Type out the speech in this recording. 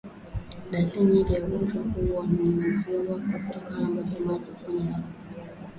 Dalili nyingine ya ugonjwa huu ni maziwa kuwa na majimaji yenye harufu